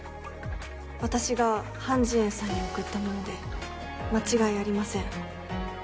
私がハン・ジエンさんに贈ったもので間違いありません。